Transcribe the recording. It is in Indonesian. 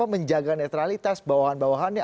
menjaga netralitas bawahan bawahannya